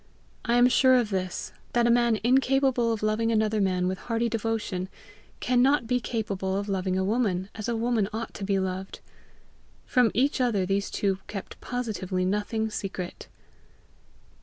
I am sure of this, that a man incapable of loving another man with hearty devotion, can not be capable of loving a woman as a woman ought to be loved. From each other these two kept positively nothing secret.